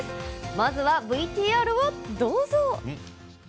まずはＶＴＲをどうぞ！